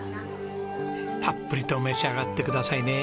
たっぷりと召し上がってくださいね。